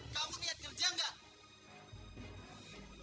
kamu niat kerja gak